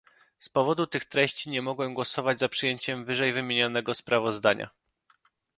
Z powodu tych treści nie mogłem głosować za przyjęciem wyżej wymienionego sprawozdania